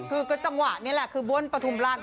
คือตั้งหวะนี้แหละขึ้นบ้านปทุมราช